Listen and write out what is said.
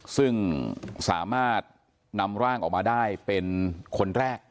ซึ่งสามารถนำร่างออกมาได้เป็นคนแรก